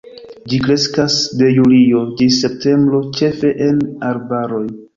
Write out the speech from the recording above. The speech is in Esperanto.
Ĝi kreskas de julio ĝis septembro, ĉefe en arbaroj.